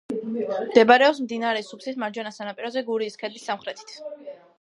მდებარეობს მდინარე სუფსის მარჯვენა სანაპიროზე, გურიის ქედის სამხრეთით.